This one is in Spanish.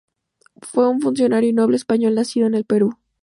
Fue un funcionario y noble español nacido en el Perú.